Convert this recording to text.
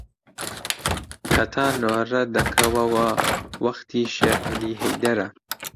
هەتا نۆرە دەکەوەوە وەختی شێرعەلی هەیدەرە